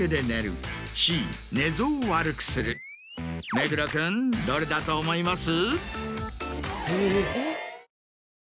目黒君どれだと思います？